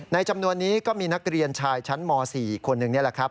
จำนวนนี้ก็มีนักเรียนชายชั้นม๔คนหนึ่งนี่แหละครับ